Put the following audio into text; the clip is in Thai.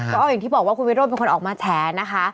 ก็อย่างที่บอกว่าคุณวิโรธเป็นคนออกมาแฉนะคะ